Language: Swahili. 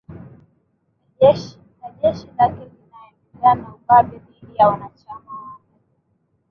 na jeshi lake litaendelea na ubabe dhidi ya wanachama wake